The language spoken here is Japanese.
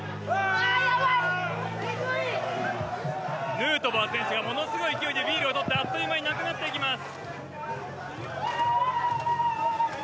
ヌートバー選手がものすごい勢いでビールを取ってあっという間になくなっていきます。